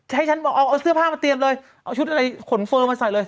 ให้ฉันบอกเอาเสื้อผ้ามาเตรียมเลยเอาชุดอะไรขนเฟิร์มมาใส่เลย